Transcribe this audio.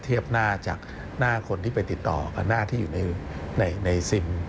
เทียบหน้าจากหน้าคนที่ไปติดต่อกับหน้าที่อยู่ในซิม